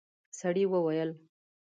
سړي وويل: